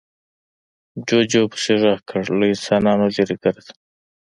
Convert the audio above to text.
جوجو پسې غږ کړ، له انسانانو ليرې ګرځه.